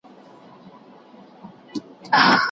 مورنۍ ژبه څنګه د زده کړې تجربې غني کوي؟